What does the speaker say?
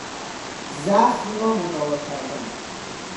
زخم را مداوا کردن